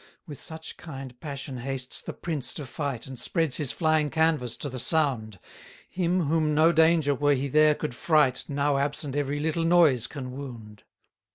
109 With such kind passion hastes the prince to fight, And spreads his flying canvas to the sound; Him, whom no danger, were he there, could fright, Now absent every little noise can wound.